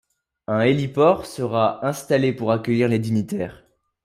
Un héliport sera installé pour accueillir les dignitaires.